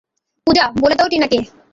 পূজা, বলে দেও টিনা কে?